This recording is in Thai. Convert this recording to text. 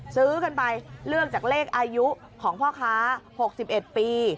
ซื้อกันไปเลือกจากเลขอายุของพ่อค้า๖๑ปี